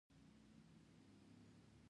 ټپي ته باید له ژړا خلاصون ورکړو.